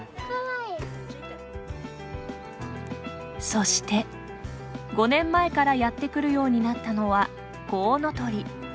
そして、５年前からやってくるようになったのはコウノトリ。